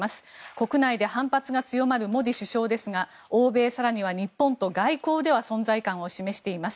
国内で反発が強まるモディ首相ですが欧米更には日本では外交で存在感を示しています。